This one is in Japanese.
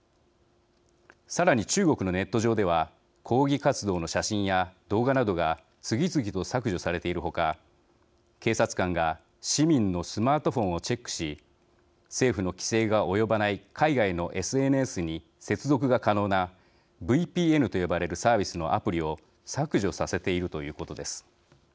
さらに、中国のネット上では抗議活動の写真や動画などが次々と削除されている他警察官が市民のスマートフォンをチェックし政府の規制が及ばない海外のＳＮＳに接続が可能なＶＰＮと呼ばれるサービスのアプリを削除させているということです。